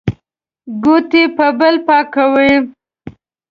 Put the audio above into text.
ګوتې په بل پاکوي.